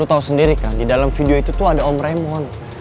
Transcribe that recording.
lo tau sendiri kan di dalam video itu ada om ramon